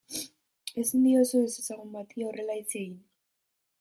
Ezin diozu ezezagun bati horrela hitz egin.